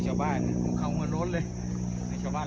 และที่สุดท้ายและที่สุดท้าย